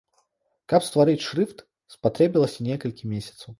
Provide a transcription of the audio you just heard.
Каб стварыць шрыфт, спатрэбілася некалькі месяцаў.